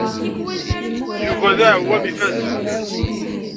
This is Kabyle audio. Yuba d aɛewwam ifazen.